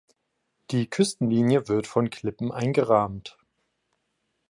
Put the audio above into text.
Die Küstenlinie wird von Klippen eingerahmt.